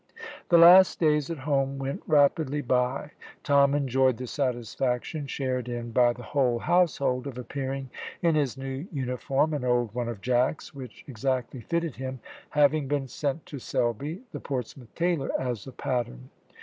The last days at home went rapidly by. Tom enjoyed the satisfaction, shared in by the whole household, of appearing in his new uniform, an old one of Jack's, which exactly fitted him, having been sent to Selby, the Portsmouth tailor, as a pattern.